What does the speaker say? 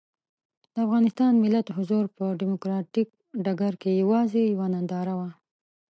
د افغانستان ملت حضور په ډیموکراتیک ډګر کې یوازې یوه ننداره وه.